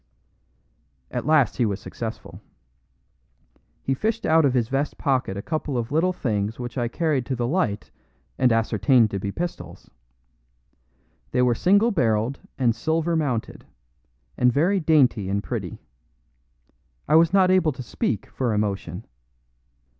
At last he was successful. He fished out of his vest pocket a couple of little things which I carried to the light and ascertained to be pistols. They were single barreled and silver mounted, and very dainty and pretty. I was not able to speak for emotion.